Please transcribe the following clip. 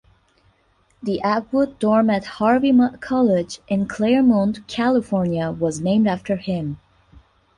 The Atwood Dorm at Harvey Mudd College in Claremont, California, was named after him.